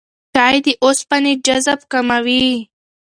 چای د اوسپنې جذب کموي.